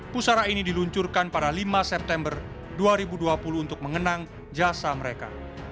pusara ini diluncurkan pada lima september dua ribu dua puluh untuk mengenang jasa mereka